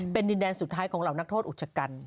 เป็นดินแดนสุดท้ายของเหล่านักโทษอุชกัน